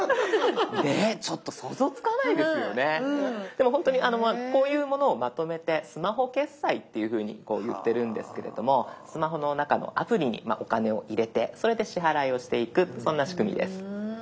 でもほんとにこういうものをまとめて「スマホ決済」っていうふうに言ってるんですけれどもスマホの中のアプリにお金を入れてそれで支払いをしていくそんな仕組みです。